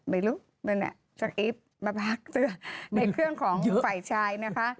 ไม่รู้มันน่ะช่างอีฟมาพักเตือนในเครื่องของฝ่ายชายนะคะ